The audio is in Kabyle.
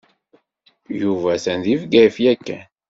Yuba atan deg Bgayet yakan?